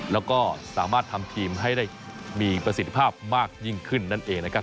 แล้วก็สามารถทำทีมให้ได้มีประสิทธิภาพมากยิ่งขึ้นนั่นเองนะครับ